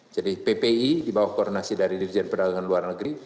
jadi ppi di bawah koordinasi dari dirjen perdagangan luar negeri